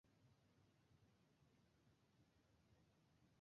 অন্যান্য দেশও একই ধরনের নিরাপত্তা বিধিনিষেধ আরোপ করেছে।